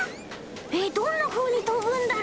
えっどんなふうにとぶんだろ？